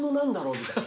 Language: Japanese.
みたいな。